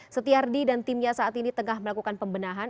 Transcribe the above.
setiardi dan timnya saat ini tengah melakukan pembenahan